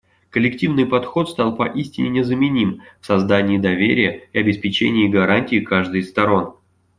Коллективный подход стал поистине незаменим в создании доверия и обеспечении гарантий каждой из сторон.